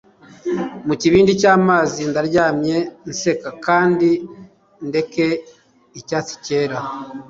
mu kibindi cyamazi Ndaryamye nseka kandi ndeke icyatsicyera